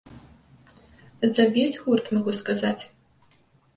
За ўвесь гурт магу сказаць.